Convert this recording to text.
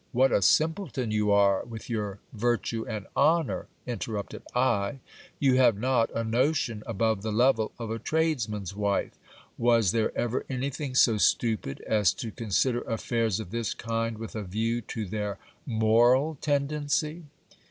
... What a simpleton you are with your virtue and honour ! interrupted I. You have not a notion above the level of a tradesman's wife. Was there ever anything so stupid as to consider affairs of this kind with a view to their moral tendency